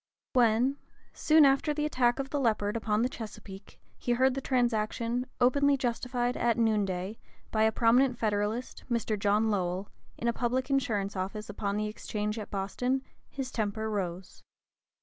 When, soon after the attack of the Leopard upon the Chesapeake, he heard the transaction "openly justified at noon day," by a prominent Federalist, "in a public insurance office upon the exchange at Boston," his temper rose.